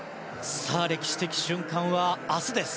歴史的瞬間は明日です。